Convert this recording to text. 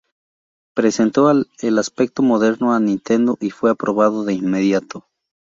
Presentó el aspecto moderno a Nintendo y fue aprobado de inmediato.